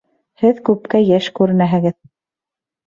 Һеҙ күпкә йәш күренәһегеҙ.